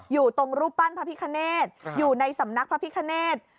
อยู่ตรงรูปปั้นพระพิคเนธอยู่ในสำนักพระพิคเนธ